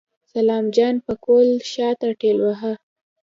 سلام جان پکول شاته ټېلوهه.